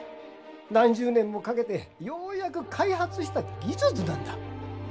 何十年もかけてようやく開発した技術なんだ。